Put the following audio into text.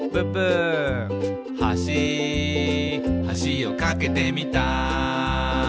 「はしはしを架けてみた」